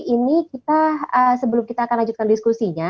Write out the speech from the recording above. ini kita sebelum kita akan lanjutkan diskusinya